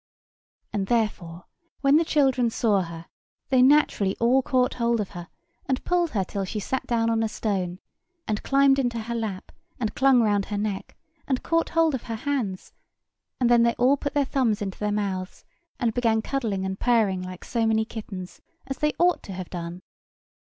And therefore when the children saw her, they naturally all caught hold of her, and pulled her till she sat down on a stone, and climbed into her lap, and clung round her neck, and caught hold of her hands; and then they all put their thumbs into their mouths, and began cuddling and purring like so many kittens, as they ought to have done.